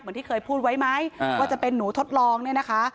ที่เคยพูดไว้ไหมว่าจะเป็นหนูทดลองเนี่ยนะคะ